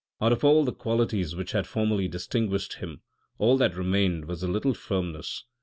Out of all the qualities which had formerly distinguished him, all that remained was a little firmness.